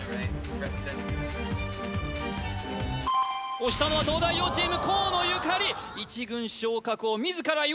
押したのは東大王チーム河野ゆかり１軍昇格を自ら祝うか？